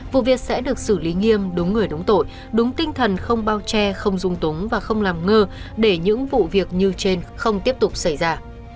vụ việc sẽ được xử lý nghiêm đúng người đúng tội đúng tinh thần không bao che không dung túng và không làm ngơ để những vụ việc như trên không tiếp tục xảy ra